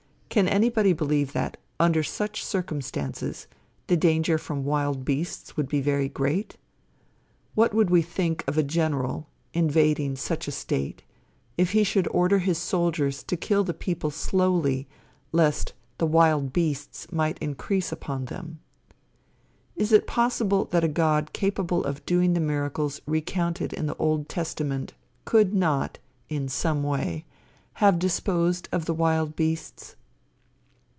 Can anybody believe that, under such circumstances, the danger from wild beasts could be very great? What would we think of a general, invading such a state, if he should order his soldiers to kill the people slowly, lest the wild beasts might increase upon them? Is it possible that a God capable of doing the miracles recounted in the Old Testament could not, in some way, have disposed of the wild beasts?